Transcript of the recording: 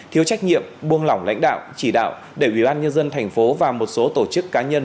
thiếu trách nhiệm buông lỏng lãnh đạo chỉ đạo để ủy ban nhân dân thành phố và một số tổ chức cá nhân